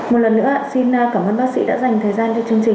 một lần nữa xin cảm ơn bác sĩ đã dành thời gian cho chương trình